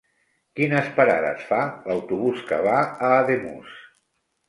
Quines parades fa l'autobús que va a Ademús?